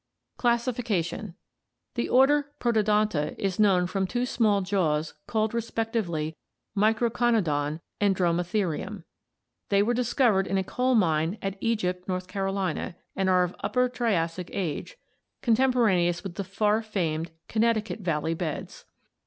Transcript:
Classification. — The order Protodonta is known from two small jaws called respectively Microconodon and Dromatherium. They were discovered in a coal mine at Egypt, North Carolina, and are of Upper Triassic age, con temporaneous with the far famed Connecticut vallev beds.